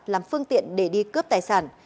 làm phương tiện để đi cướp tài sản